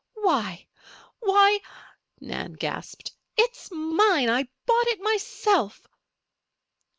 "Why why!" Nan gasped. "It's mine! I bought it myself!"